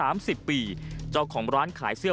มันกลับมาแล้ว